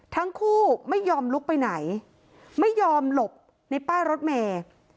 ทั้งคู่ไม่ยอมลุกไปไหนไม่ยอมหลบในป้ายรถเมย์